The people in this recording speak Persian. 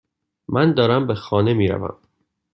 من دارم به خانه میروم.